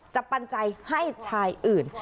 จะปัญจัยให้ชายอื่น